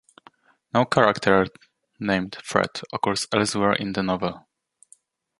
No character named Fred occurs elsewhere in the novel.